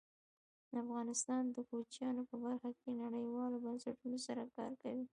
افغانستان د کوچیانو په برخه کې نړیوالو بنسټونو سره کار کوي.